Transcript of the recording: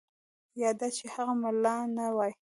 یا دا چې هغه ملا نه وای.